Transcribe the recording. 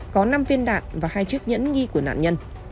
có năm viên đạn và hai chiếc nhẫn nghi của nạn nhân